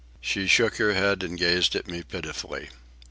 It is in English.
She shook her head and gazed at me pitifully.